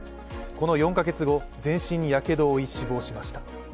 この４か月後、全身にやけどを負い死亡しました。